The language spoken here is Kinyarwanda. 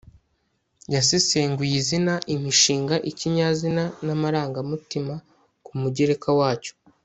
yasesenguye izina, inshinga, ikinyazina n'amarangamutima. ku mugereka wacyo